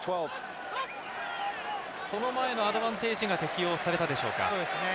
その前のアドバンテージが適用されたでしょうか。